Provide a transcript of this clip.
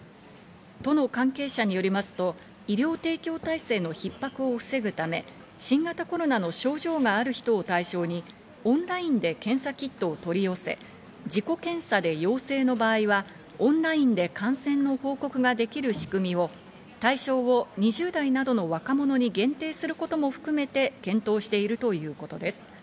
都の関係者によりますと、医療提供体制のひっ迫を防ぐため、新型コロナの症状がある人を対象に、オンラインで検査キットを取り寄せ、自己検査で陽性の場合はオンラインで感染の報告ができる仕組みを対象を２０代などの若者に限定することも含めて検討しているということです。